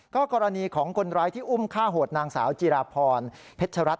กรณีของคนร้ายที่อุ้มฆ่าโหดนางสาวจิราพรเพชรัตน